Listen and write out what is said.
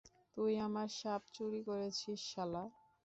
তুই আমার সাপ চুরি করেছিস, শালা।